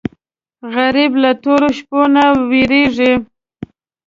غریب له تورو شپو نه وېرېږي